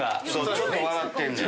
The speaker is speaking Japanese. ちょっと笑ってんねん。